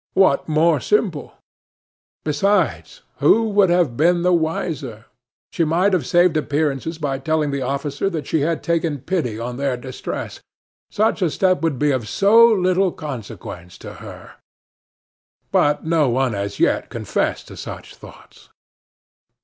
What more simple? Besides, who would have been the wiser? She might have saved appearances by telling the officer that she had taken pity on their distress. Such a step would be of so little consequence to her. But no one as yet confessed to such thoughts.